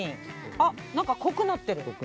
何か濃くなってる。